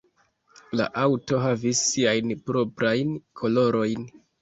La aŭto havis siajn proprajn kolorojn.